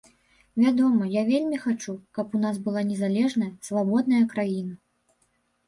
Вядома, я вельмі хачу, каб у нас была незалежная, свабодная краіна.